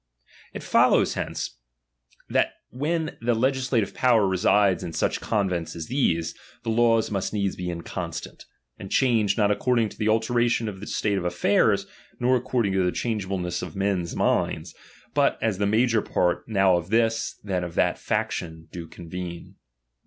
It follows hence, that when the legislative power resides in such convents as these, the laws tttust needs be inconstant ; and change, not ac ''ording to the alteration of the state of affairs, fior according to the changeableness of men's Qinds, but as the major part, now of this, then of '^^tfaction, do convene.